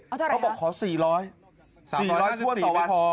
เอาเท่าไหร่ครับเขาบอกขอ๔๐๐๓๕๐นี่ไม่พอ